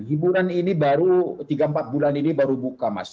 hiburan ini baru tiga empat bulan ini baru buka mas